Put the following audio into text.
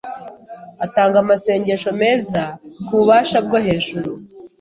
Atanga amasengesho meza kububasha bwo hejuru